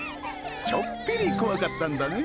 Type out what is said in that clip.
ちょっぴり怖かったんだねー。